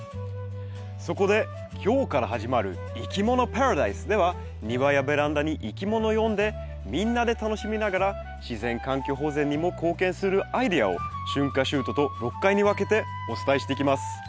そこで今日から始まる「いきものパラダイス」では庭やベランダにいきもの呼んでみんなで楽しみながら自然環境保全にも貢献するアイデアを春夏秋冬と６回に分けてお伝えしていきます。